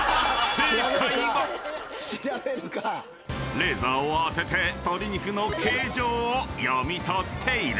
［レーザーを当てて鶏肉の形状を読み取っている］